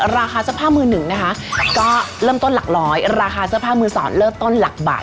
ราคาเสื้อผ้ามือ๑ก็เริ่มต้นหลัก๑๐๐ราคาเสื้อผ้ามือ๒เริ่มต้นหลักบาท